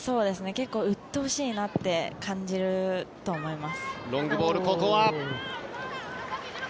結構うっとうしいなと感じると思います。